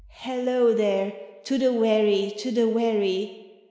" Hallo there ! To the wherry, to the wherry